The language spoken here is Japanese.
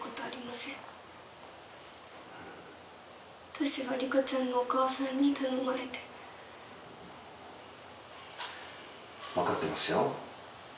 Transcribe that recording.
「私は梨花ちゃんのお母さんに頼まれて」「分かってますよ」